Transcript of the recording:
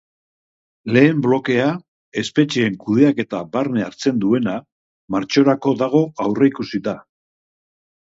Lehen blokea, espetxeen kudeaketa barne hartzen duena, martxorako dago aurreikusita.